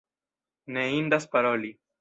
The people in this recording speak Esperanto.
Ne indas paroli.